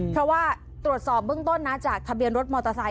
เพราะว่าตรวจสอบเบื้องต้นนะจากทะเบียนรถมอเตอร์ไซค